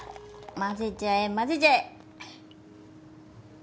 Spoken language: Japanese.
混ぜちゃえ混ぜちゃえ。